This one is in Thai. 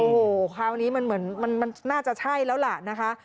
โอ้โฮคราวนี้มันน่าจะใช่แล้วล่ะนะคะ